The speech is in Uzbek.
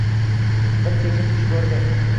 Bir kecha tush ko‘rdi